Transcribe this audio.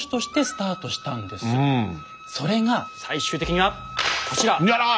それが最終的にはこちら。